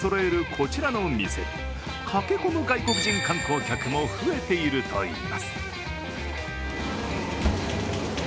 こちらの店、駆け込む外国人観光客も増えているといいます。